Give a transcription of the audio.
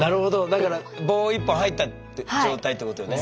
だから棒１本入ったって状態ってことよね？